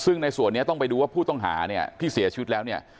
ซึ่งในส่วนนี้ต้องไปดูว่าผู้ต้องหาเนี่ยที่เสียชีวิตแล้วเนี่ย